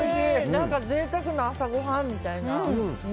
何か贅沢な朝ごはんみたいな。